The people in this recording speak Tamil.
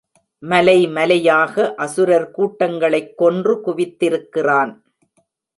மலைமலையாக அசுரக் கூட்டங்களைக் கொன்று குவித்திருக்கிறான்.